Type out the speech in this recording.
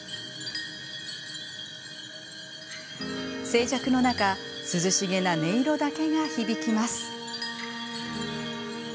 静寂の中、涼しげな音色だけが響きます。